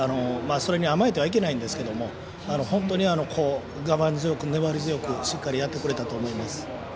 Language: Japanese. それに甘えてはいけないんですけど本当に我慢強く、粘り強くしっかりやってくれたと思います。